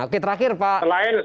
oke terakhir pak